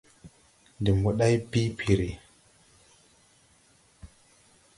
De mboday bii piri.